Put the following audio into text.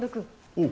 うん。